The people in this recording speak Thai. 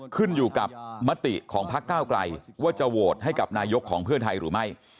ขึ้นอยู่กับมติของพักเก้าไกลว่าจะโหวตให้กับนายกของเพื่อไทยหรือไม่